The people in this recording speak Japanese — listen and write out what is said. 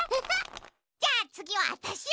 じゃあつぎはわたしよ！